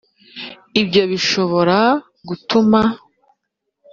ibyo bishobora gutuma